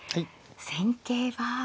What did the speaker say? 戦型は。